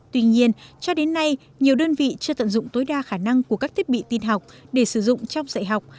tuy nhiên cho đến nay nhiều đơn vị chưa tận dụng tối đa khả năng của các thiết bị tin học để sử dụng trong dạy học